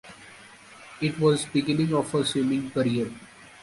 It was the beginning of her swimming career.